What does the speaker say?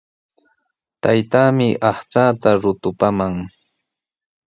Taytaami aqchaata rutupaamaq.